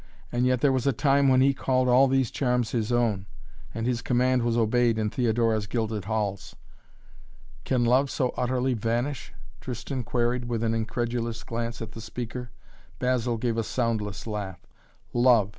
"And yet there was a time when he called all these charms his own, and his command was obeyed in Theodora's gilded halls." "Can love so utterly vanish?" Tristan queried with an incredulous glance at the speaker. Basil gave a soundless laugh. "Love!"